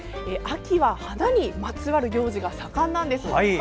秋は花にまつわる行事が盛んなんです。